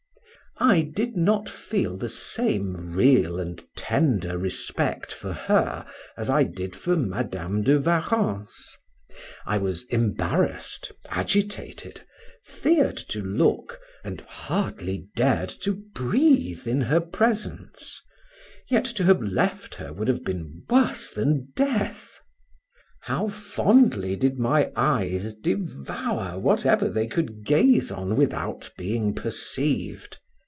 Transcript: I did not feel the same real and tender respect for her as I did for Madam de Warrens: I was embarrassed, agitated, feared to look, and hardly dared to breathe in her presence, yet to have left her would have been worse than death: How fondly did my eyes devour whatever they could gaze on without being perceived!